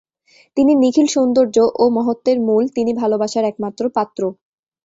তিনি নিখিল সৌন্দর্য ও মহত্ত্বের মূল, তিনি ভালবাসার একমাত্র পাত্র।